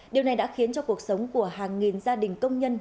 điều này đã khiến cho cuộc sống của hàng nghìn gia đình công nhân